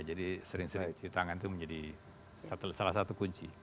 jadi sering sering di tangan itu menjadi salah satu kunci